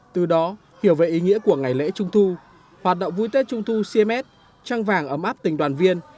từ đó hiểu về ý nghĩa của ngày lễ trung thu hoạt động vui tết trung thu cms trăng vàng ấm áp tình đoàn viên